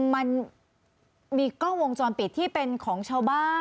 มันมีกล้องวงจรปิดที่เป็นของชาวบ้าน